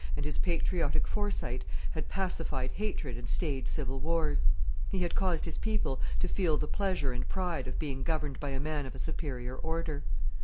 and his patriotic foresight had pacified hatred and stayed civil wars; he had caused his people to feel the pleasure and pride of being governed by a man of a superior order.